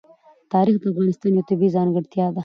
تاریخ د افغانستان یوه طبیعي ځانګړتیا ده.